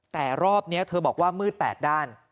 แต่รอบนี้เธอบอกว่ามืด๘ด้าน